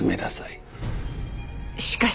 しかし。